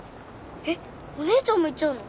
えっお姉ちゃんも行っちゃうの？